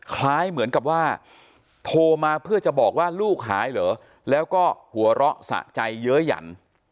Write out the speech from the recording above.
คล้ายเหมือนกับว่าโทรมาเพื่อจะบอกว่าลูกหายเหรอแล้วก็หัวเราะสะใจเยอะหยัน